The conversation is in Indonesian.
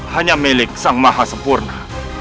hanya milik sang maha sempurna